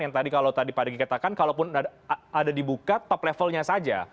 yang tadi kalau tadi pak diki katakan kalaupun ada dibuka top levelnya saja